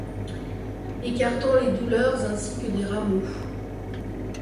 Écartant les douleurs ainsi que des rameaux